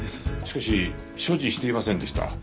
しかし所持していませんでした。